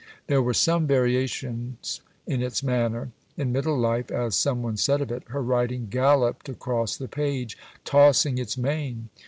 There were some variations in its manner. In middle life, as some one said of it, her writing "galloped across the page tossing its mane."